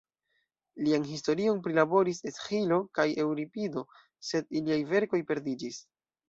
Lian historion prilaboris Esĥilo kaj Eŭripido, sed iliaj verkoj perdiĝis.